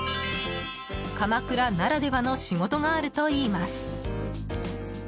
鎌倉ならではの仕事があるといいます。